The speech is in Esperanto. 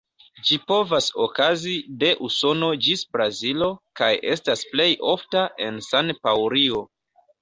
Ĝi povas okazi de Usono ĝis Brazilo kaj estas plej ofta en San-Paŭlio.